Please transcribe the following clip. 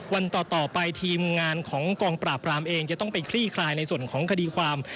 วันต่อไปทีมงานของกองปราบรามเองจะต้องไปคลี่คลายในส่วนของคดีความ